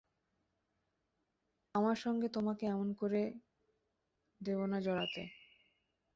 আমার সঙ্গে তোমাকে এমন করে দেব না জড়াতে।